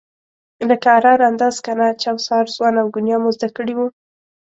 لکه اره، رنده، سکنه، چوسار، سوان او ګونیا مو زده کړي وو.